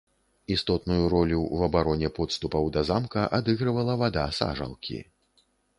Істотную ролю ў абароне подступаў да замка адыгрывала вада сажалкі.